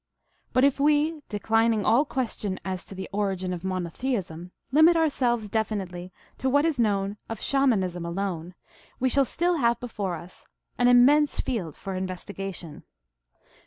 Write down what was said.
But if we, declining all ques tion as to the origin of monotheism, limit ourselves definitely to what is known of Shamanism alone, we shall still have before us an immense field for investigation.